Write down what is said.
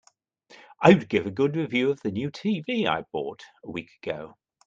I would give a good review of the new TV I bought a week ago.